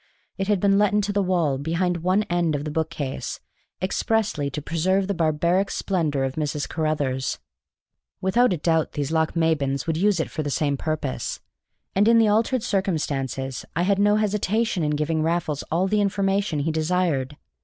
It had been let into the wall behind one end of the book case, expressly to preserve the barbaric splendor of Mrs. Carruthers; without a doubt these Lochmabens would use it for the same purpose; and in the altered circumstances I had no hesitation in giving Raffles all the information he desired.